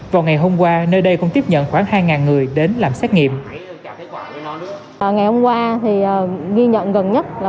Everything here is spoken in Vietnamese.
vào ngày hôm qua nơi đây cũng tiếp nhận khoảng hai người đến làm xét nghiệm